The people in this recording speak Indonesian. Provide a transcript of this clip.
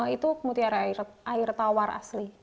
itu mutiara air tawar asli